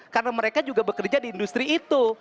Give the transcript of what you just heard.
karena mereka juga bekerja di industri itu